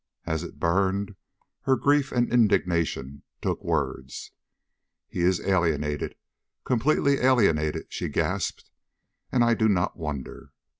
As it burned, her grief and indignation took words: "He is alienated, completely alienated," she gasped; "and I do not wonder.